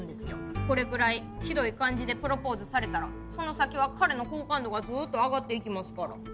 これくらいひどい感じでプロポーズされたらその先は彼の好感度がずっと上がっていきますから。